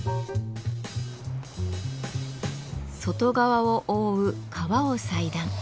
外側を覆う革を裁断。